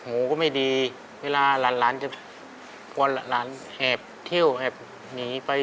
หูก็ไม่ดีเวลาหลานจะพอหลานแหบเที่ยวแหบหนีไป